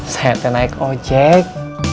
saya teh naik ojek